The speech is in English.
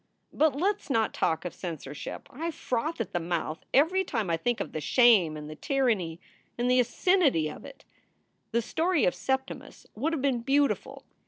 "But let s not talk of censorship. I froth at the mouth every time I think of the shame and the tyranny and the asininity of it. The story of Septimus would have been beautiful.